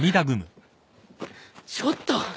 ちょっと！